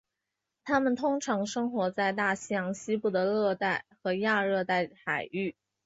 它们通常生活在大西洋西部的热带和亚热带海域。